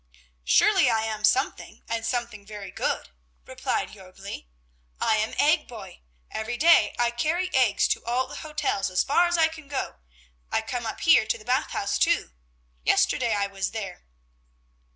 "Surely I am something, and something very good," replied Jörgli, "I am egg boy. Every day I carry eggs to all the hotels, as far as I can go; I come up here to the Bath House, too. Yesterday I was there."